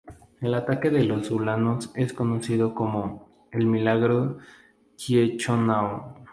El ataque de los ulanos es conocido como "El Milagro de Ciechanów".